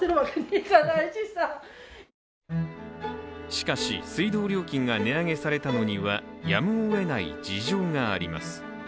しかし水道料金が値上げされたのにはやむをえない事情があります。